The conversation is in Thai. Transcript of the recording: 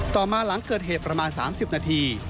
ต่อมาหลังเกิดเหตุประมาณ๓๐นาที